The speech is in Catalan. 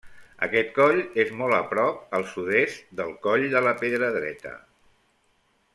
Aquest coll és molt a prop al sud-est del Coll de la Pedra Dreta.